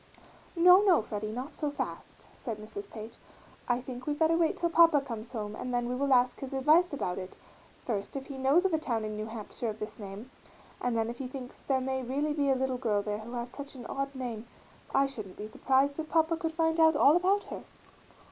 "No, no, Freddie, not so fast," said Mrs. Page. "I think we better wait till papa comes home and then we will ask his advice about it: first, if he knows of a town in New Hampshire of this name, and then if he thinks there may really be a little girl there who has such an odd name I shouldn't be surprised if Papa could find out all about her."